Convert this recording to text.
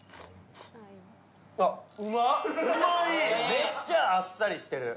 めっちゃあっさりしてる。